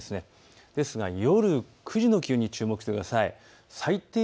ですが夜９時の気温に注目してください。